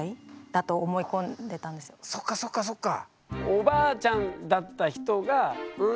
そっかそっかそっか。